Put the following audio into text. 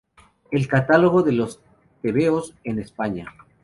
El "Catálogo de los tebeos en España.